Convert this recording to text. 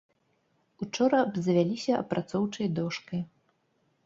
Учора абзавяліся апрацоўчай дошкай.